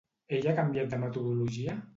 Ell ha canviat de metodologia?